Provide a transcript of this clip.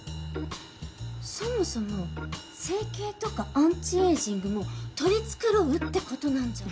そもそも整形とかアンチエイジングも取り繕うってことなんじゃ？